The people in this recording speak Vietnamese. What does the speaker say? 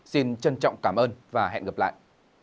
xin trân trọng cảm ơn và hẹn gặp lại